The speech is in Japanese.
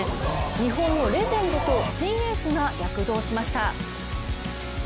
日本のレジェンドと新エースが躍動しました。